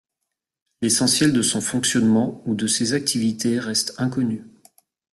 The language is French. L'essentiel de son fonctionnement ou de ses activités reste inconnu.